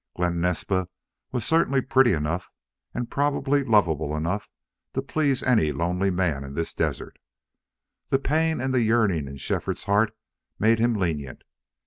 Glen Naspa was certainly pretty enough, and probably lovable enough, to please any lonely man in this desert. The pain and the yearning in Shefford's heart made him lenient.